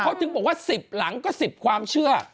เขาถึงบอกว่า๑๐หลังก็๑๐ความเชื่อ